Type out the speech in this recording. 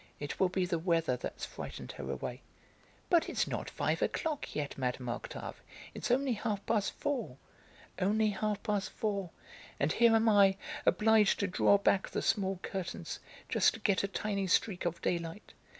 "It will be the weather that's frightened her away." "But it's not five o'clock yet, Mme. Octave, it's only half past four." "Only half past four! And here am I, obliged to draw back the small curtains, just to get a tiny streak of daylight.